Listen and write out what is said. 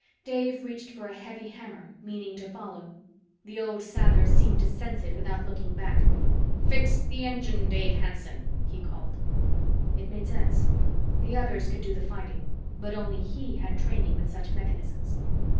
Dave reached for a heavy hammer, meaning to follow. The old Sather seemed to sense it without looking back. "Fix the engine, Dave Hanson," he called. It made sense. The others could do the fighting, but only he had training with such mechanisms.